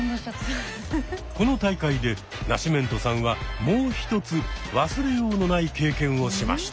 この大会でナシメントさんはもう一つ忘れようのない経験をしました。